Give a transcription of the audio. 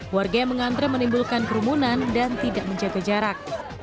warga yang mengantre menimbulkan kerumunan dan tidak menjaga jarak